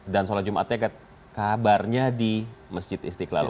dan sholat jumatnya ke kabarnya di masjid istiqlal